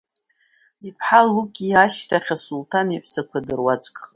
Иԥҳа Лукиа ашьҭахь асулҭан иҳәсақәа дыруаӡәкхеит.